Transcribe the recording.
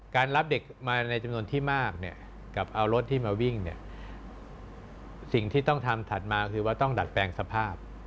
รับเด็กมาในจำนวนที่มากเนี่ยกับเอารถที่มาวิ่งเนี่ยสิ่งที่ต้องทำถัดมาคือว่าต้องดัดแปลงสภาพ